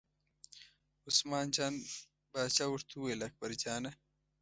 عثمان جان پاچا ورته وویل اکبرجانه!